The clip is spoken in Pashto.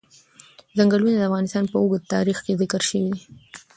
ځنګلونه د افغانستان په اوږده تاریخ کې ذکر شوی دی.